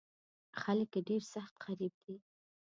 خلک یې ډېر سخت غریب دي.